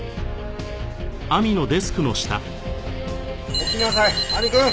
起きなさい亜美くん。